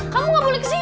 kamu gak boleh ke sini